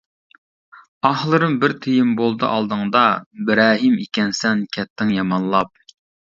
ئاھلىرىم بىر تىيىن بولدى ئالدىڭدا، بىرەھىم ئىكەنسەن كەتتىڭ يامانلاپ!